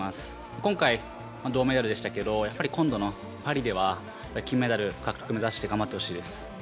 今回、銅メダルでしたけど今度のパリでは金メダル獲得目指して頑張ってほしいです。